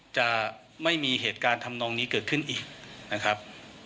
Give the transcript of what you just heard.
จะไม่มีเหตุการณ์ทำนองนี้เกิดขึ้นอีกนะครับ